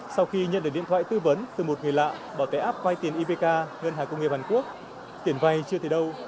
sau khi nhận được điện thoại tư vấn từ một người lạ bảo tế app vai tiền ipk ngân hàng công nghiệp hàn quốc tiền vai chưa thể đâu